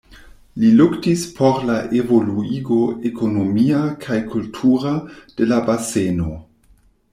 Li luktis por la evoluigo ekonomia kaj kultura de la baseno.